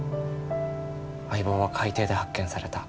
相棒は海底で発見された。